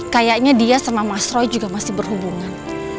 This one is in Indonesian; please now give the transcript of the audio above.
kayaknya dia sama mas roy juga masih berhubungan